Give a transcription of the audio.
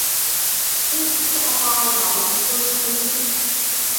কিন্তু তারা আর বাড়িতে পৌঁছায়নি?